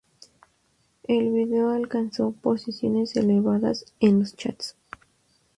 El vídeo alcanzó posiciones elevadas en los "charts".